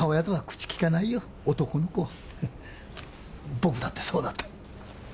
僕だってそうだった。